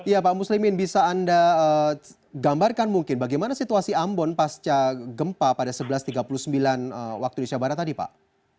ya pak muslimin bisa anda gambarkan mungkin bagaimana situasi ambon pasca gempa pada sebelas tiga puluh sembilan waktu indonesia barat tadi pak